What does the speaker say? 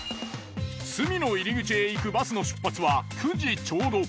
住野入口へ行くバスの出発は９時ちょうど。